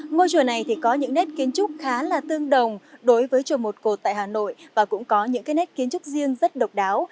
ngôi chùa này thì có những nét kiến trúc khá là tương đồng đối với chùa một cột tại hà nội và cũng có những nét kiến trúc riêng rất độc đáo